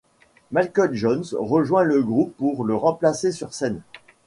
Michael Jones rejoint le groupe pour le remplacer sur scène.